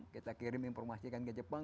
kita kirim informasi kan ke jepang